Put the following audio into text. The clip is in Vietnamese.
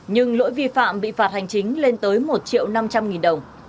nhưng lỗi vi phạm bị phạt hành chính lên tới một triệu năm trăm linh nghìn đồng